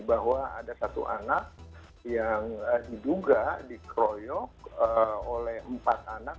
bahwa ada satu anak yang diduga dikeroyok oleh empat anak